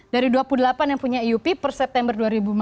dari dua puluh delapan yang punya iup per september dua ribu lima belas